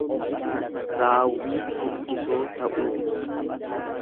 Raawwii fuggisoo ta'uu ibsa.